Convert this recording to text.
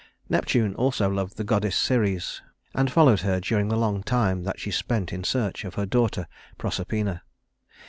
Neptune also loved the goddess Ceres, and followed her during the long time that she spent in search of her daughter Proserpina.